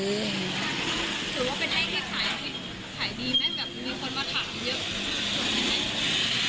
ถือว่าเป็นไอเทศขายที่ขายดีไหมแบบมีคนมาถามเยอะ